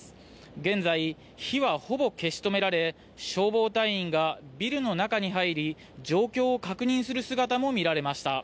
現在、火はほぼ消し止められ消防隊員がビルの中に入り状況を確認する姿も見られました。